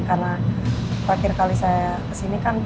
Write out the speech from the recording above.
karena terakhir kali saya kesini kan